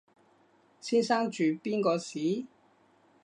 先生住邊個巿？